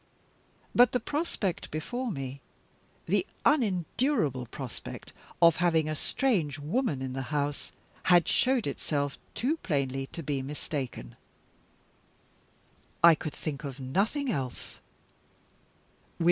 But the prospect before me the unendurable prospect of having a strange woman in the house had showed itself too plainly to be mistaken. I could think of nothing else.